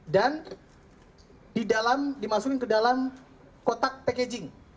dan di dalam dimasukin ke dalam kotak packaging